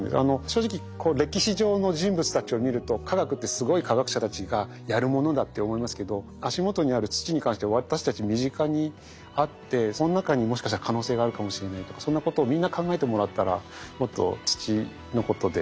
正直歴史上の人物たちを見ると科学ってすごい科学者たちがやるものだって思いますけど足元にある土に関して私たち身近にあってその中にもしかしたら可能性があるかもしれないとかそんなことをみんな考えてもらったらもっと土のことでみんなでワクワクできるかなと思います。